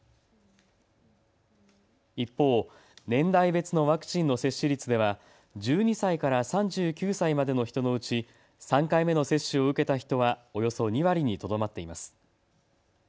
一方、年代別のワクチンの接種率では１２歳から３９歳までの人のうち３回目の接種を受けた人はおよそ２割にとどまっています。